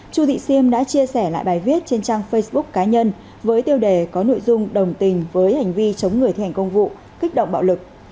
chu thị siêm đã chia sẻ lại bài viết trên trang facebook cá nhân với tiêu đề có nội dung đồng tình với hành vi chống người thi hành công vụ kích động bạo lực